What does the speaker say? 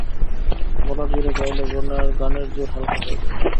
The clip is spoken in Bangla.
গলার জোরে গাইলে গানের জোর হালকা হয়ে যায়।